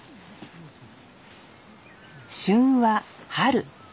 旬は春。